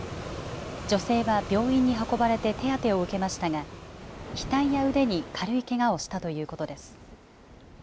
女性は病院に運ばれて手当てを受けましたが、額や腕に軽いけがをしたということです。